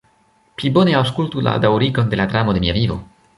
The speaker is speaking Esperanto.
Pli bone aŭskultu la daŭrigon de la dramo de mia vivo.